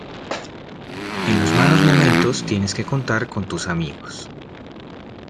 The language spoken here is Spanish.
En los malos momentos tienes que contar con tus amigos.